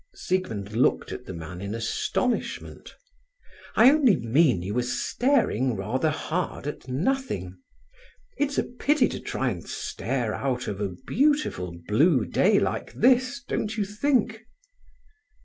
Siegmund looked at the man in astonishment. "I only mean you were staring rather hard at nothing. It's a pity to try and stare out of a beautiful blue day like this, don't you think?"